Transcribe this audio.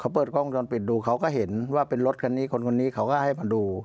เปิดกล้องจรปิดดูเขาก็เห็นว่าเป็นรถคันนี้คนคนนี้เขาก็ให้มาดู